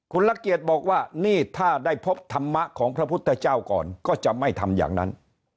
คุณละเกียจบอกว่านี่ถ้าได้พบธรรมะของพระพุทธเจ้าก่อนก็จะไม่ทำอย่างนั้น